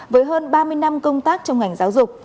với hơn ba mươi năm công tác trong ngành giáo dục